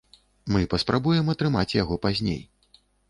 Мы паспрабуем атрымаць яго пазней.